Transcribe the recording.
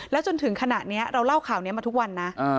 จนถึงขณะนี้เราเล่าข่าวนี้มาทุกวันนะ